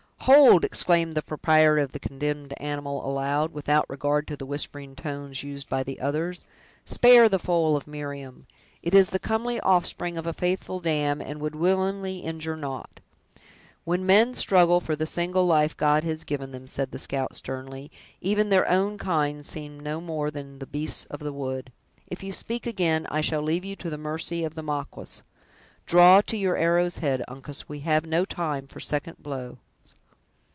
"Hold!" exclaimed the proprietor of the condemned animal, aloud, without regard to the whispering tones used by the others; "spare the foal of Miriam! it is the comely offspring of a faithful dam, and would willingly injure naught." "When men struggle for the single life God has given them," said the scout, sternly, "even their own kind seem no more than the beasts of the wood. If you speak again, I shall leave you to the mercy of the Maquas! Draw to your arrow's head, Uncas; we have no time for second blows."